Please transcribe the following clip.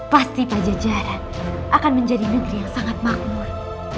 pasti pajajaran akan menjadi negeri yang sangat makmur